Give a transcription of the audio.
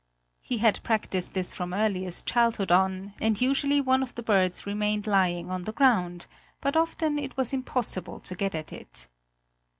He had practiced this from earliest childhood on, and usually one of the birds remained lying on the ground; but often it was impossible to get at it.